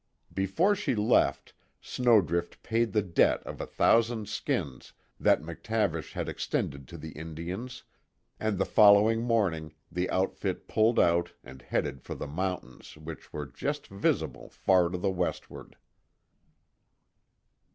Before she left, Snowdrift paid the debt of a thousand skins that McTavish had extended to the Indians, and the following morning the outfit pulled out and headed for the mountains which were just visible far to the westward.